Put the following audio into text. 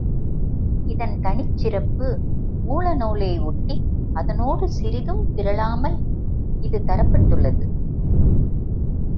இதன் தனிச் சிறப்பு மூல நூலை ஒட்டி அதனோடு சிறிதும் பிறழமால் இது தரப்பட்டுள்ளது.